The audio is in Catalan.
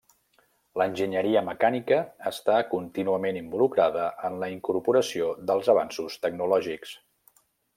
L'enginyeria mecànica està contínuament involucrada en la incorporació dels avanços tecnològics.